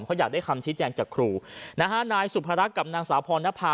เขาอยากได้คำชี้แจงจากครูนะฮะนายสุภารักษ์กับนางสาวพรณภา